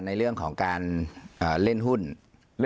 ในลักษณะแบบนี้